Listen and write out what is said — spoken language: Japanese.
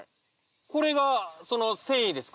これがその繊維ですか？